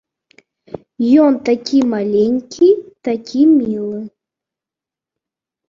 Ён такі маленькі, такі мілы.